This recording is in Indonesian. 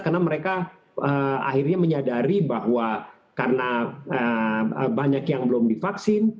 karena mereka akhirnya menyadari bahwa karena banyak yang belum divaksin